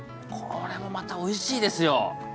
これもまたおいしいですよ。